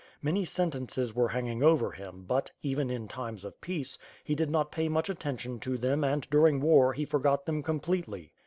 Many sen tences were hanging over him but, even in times of peace, he did not pay much attention to them and during war he forgot them completely.